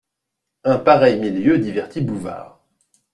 Un pareil milieu divertit Bouvard.